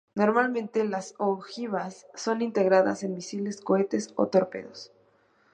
Normalmente las ojivas son integradas en misiles, cohetes o torpedos.